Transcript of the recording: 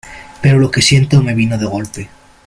pero lo que siento me vino de golpe